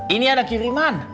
ini ada kiriman